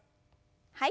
はい。